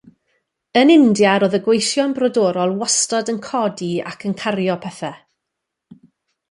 Yn India roedd y gweision brodorol yn wastad yn codi ac yn cario pethau.